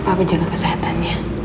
pak bencana kesehatannya